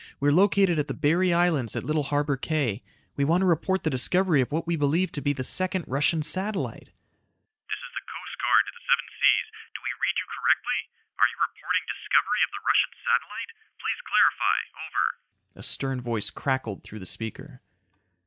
We are located at the Berry Islands at Little Harbor Cay. We want to report the discovery of what we believe to be the second Russian satellite." "This is the Coast Guard to the Seven Seas. Do we read you correctly? Are you reporting discovery of the Russian satellite? Please clarify. Over." A stern voice crackled through the speaker.